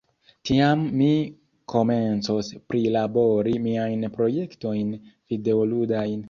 tiam mi komencos prilabori miajn projektojn videoludajn.